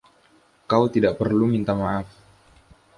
Kau tidak perlu minta maaf.